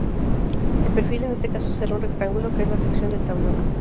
El perfil en este caso será un rectángulo, que es la sección del tablón.